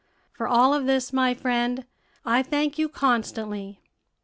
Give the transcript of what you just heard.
For all of this, my friend, I thank you constantly."